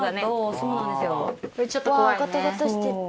そうなんですよね。